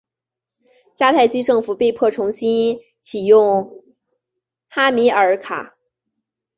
迦太基政府被迫重新起用哈米尔卡。